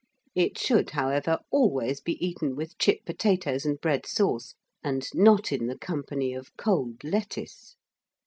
It should, however, always be eaten with chip potatoes and bread sauce, and not in the company of cold lettuce.